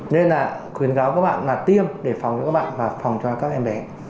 nên là khuyến cáo các bạn là tiêm để phòng cho các bạn và phòng cho các em bé